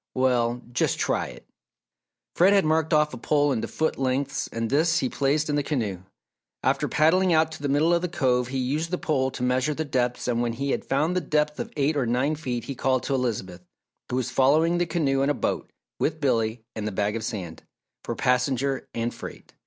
"Well, just try it!" Fred had marked off a pole into foot lengths and this he placed in the canoe. After paddling out to the middle of the Cove he used the pole to measure the depths and when he had found the depth of eight or nine feet he called to Elizabeth, who was following the canoe in a boat with Billy and the bag of sand, for passenger and freight.